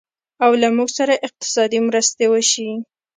او له موږ سره اقتصادي مرستې وشي